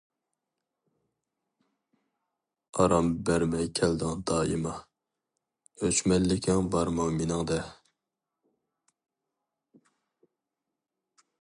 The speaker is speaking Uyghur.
ئارام بەرمەي كەلدىڭ دائىما، ئۆچمەنلىكىڭ بارمۇ مېنىڭدە.